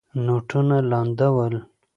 نوټونه لانده ول.